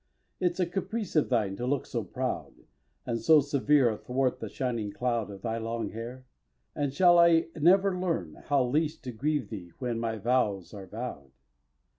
Is't a caprice of thine to look so proud, And so severe, athwart the shining cloud Of thy long hair? And shall I never learn How least to grieve thee when my vows are vow'd?